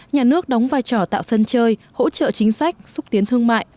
nhà nước đóng vai trò tạo sân chơi hỗ trợ chính sách xúc tiến thương mại